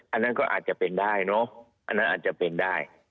อันนั้นก็อาจจะเป็นได้เนอะอันนั้นอาจจะเป็นได้